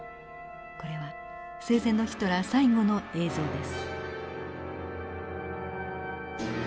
これは生前のヒトラー最後の映像です。